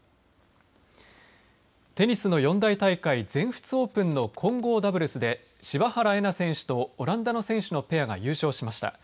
テニスの四大大会全仏オープンの混合ダブルスで柴原瑛菜選手とオランダの選手のペアが優勝しました。